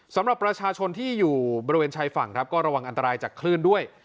สำหรับประชาชนที่อยู่บริเวณชายฝั่งครับก็ระวังอันตรายจากคลื่นด้วย